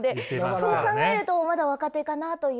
そう考えるとまだ若手かなという。